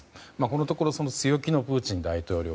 このところ強気のプーチン大統領。